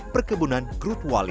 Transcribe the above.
perkebunan grut wali